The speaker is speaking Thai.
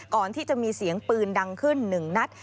ก่อนที่จะมีเสียงปืนดังขึ้น๑นัด